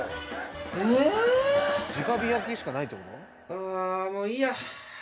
あもういいや！